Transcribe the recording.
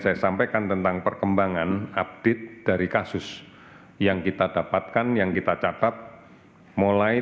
saya sampaikan tentang perkembangan update dari kasus yang kita dapatkan yang kita catat mulai